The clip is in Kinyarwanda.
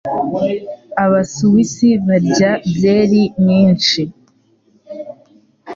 Abasuwisi barya byeri nyinshi.